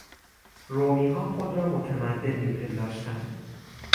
رومیها خود را متمدن میپنداشتند.